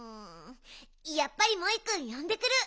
やっぱりモイくんよんでくる！